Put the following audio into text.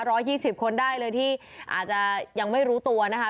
ยี่สิบคนได้เลยที่อาจจะยังไม่รู้ตัวนะคะ